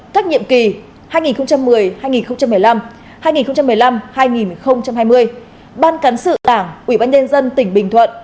các nhiệm kỳ hai nghìn một mươi hai nghìn một mươi năm hai nghìn một mươi năm hai nghìn hai mươi ban cán sự đảng ủy ban nhân dân tỉnh bình thuận